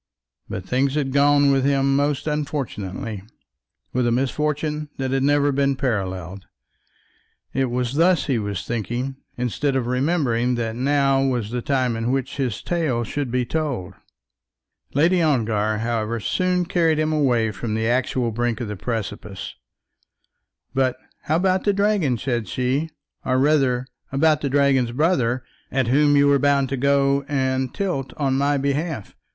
But things had gone with him most unfortunately, with a misfortune that had never been paralleled. It was thus he was thinking instead of remembering that now was the time in which his tale should be told. Lady Ongar, however, soon carried him away from the actual brink of the precipice. "But how about the dragon," said she, "or rather about the dragon's brother, at whom you were bound to go and tilt on my behalf?